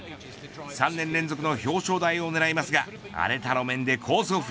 ３年連続の表彰台を狙いますが荒れた路面でコースオフ。